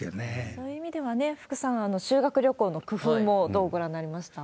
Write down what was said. そういう意味ではね、福さん、修学旅行の工夫も、どうご覧になりました？